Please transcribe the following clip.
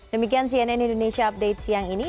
demikian cnn indonesia update siang ini